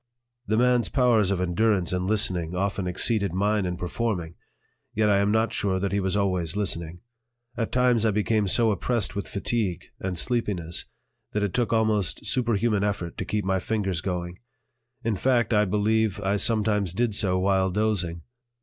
The man's powers of endurance in listening often exceeded mine in performing yet I am not sure that he was always listening. At times I became so oppressed with fatigue and sleepiness that it took almost superhuman effort to keep my fingers going; in fact, I believe I sometimes did so while dozing.